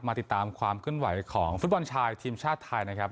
ติดตามความขึ้นไหวของฟุตบอลชายทีมชาติไทยนะครับ